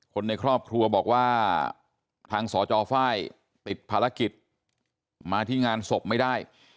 คนในครอบครัวบอกว่าทางสจฝ้ายติดภารกิจมาที่งานศพไม่ได้